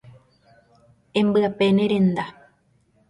Embyape ne renda.